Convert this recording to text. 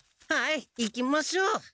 はい行きましょう。